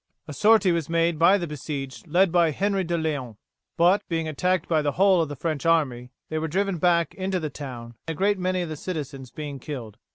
A sortie was made by the besieged, led by Henry de Leon, but, being attacked by the whole of the French army, they were driven back into the town, a great many of the citizens being killed.